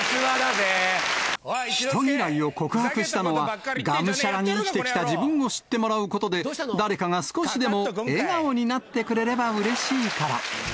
人嫌いを克服したのは、がむしゃらに生きてきた自分を知ってもらうことで、誰かが少しでも笑顔になってくれればうれしいから。